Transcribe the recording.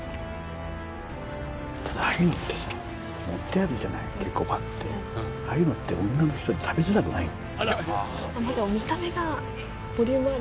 ただああいうのってさ盛ってあるじゃない結構バッてああいうのって女の人食べづらくないの？